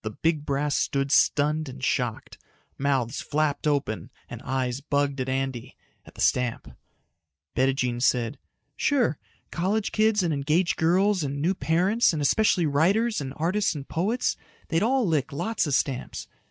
The big brass stood stunned and shocked. Mouths flapped open and eyes bugged at Andy, at the stamp. Bettijean said, "Sure. College kids and engaged girls and new parents and especially writers and artists and poets they'd all lick lots of stamps.